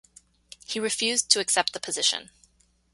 He refused to accept the position.